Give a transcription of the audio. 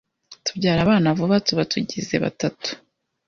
tubyara abana vuba tuba tugize batatu.